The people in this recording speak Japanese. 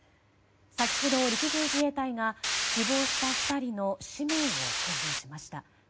先ほど、陸上自衛隊が死亡した２人の氏名を公表しました。